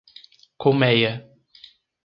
Colméia